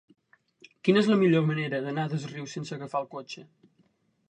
Quina és la millor manera d'anar a Dosrius sense agafar el cotxe?